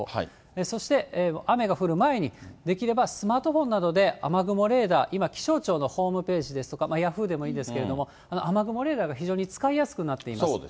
そして雨が降る前に、できればスマートフォンなどで雨雲レーダー、今、気象庁のホームページですとかヤフーでもいいですけれども、雨雲レーダーが非常に使いやすくなっています。